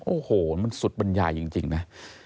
โอ้โหมันสุดบรรยายจริงนะ